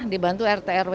dibantu rt rw